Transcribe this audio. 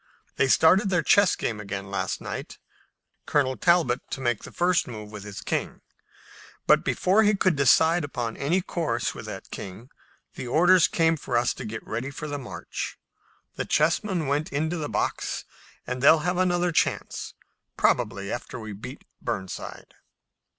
They started their chess game again last night, Colonel Talbot to make the first move with his king, but before he could decide upon any course with that king the orders came for us to get ready for the march. The chessmen went into the box, and they'll have another chance, probably after we beat Burnside."